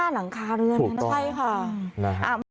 ๒๕หลังคาเรือนใช่ค่ะ